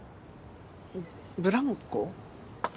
ブランコ？